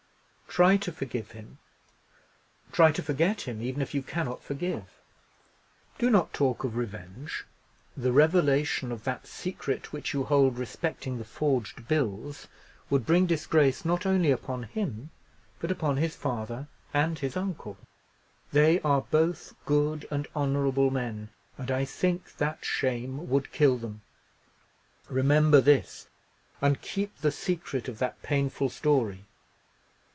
Try to forgive him; try to forget him, even if you cannot forgive. Do not talk of revenge. The revelation of that secret which you hold respecting the forged bills would bring disgrace not only upon him, but upon his father and his uncle. They are both good and honourable men, and I think that shame would kill them. Remember this, and keep the secret of that painful story."